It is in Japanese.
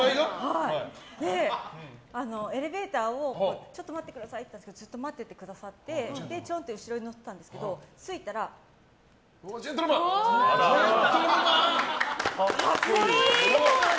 エレベーターをちょっと待ってくださいって言ったらずっと待っててくださってチョンって後ろで待ってたんですけどジェントルマン！